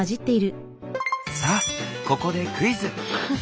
さあここでクイズ。